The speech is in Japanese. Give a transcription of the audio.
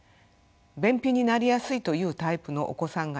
便秘になりやすいというタイプのお子さんがいます。